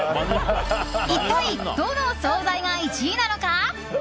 一体どの総菜が１位なのか。